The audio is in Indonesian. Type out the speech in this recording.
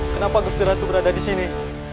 kenapa gusti ratu berada disini